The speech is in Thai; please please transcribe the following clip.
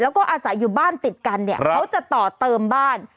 และอาจจะอยู่บ้านติดกันเขาจะต่อเติมบ้าน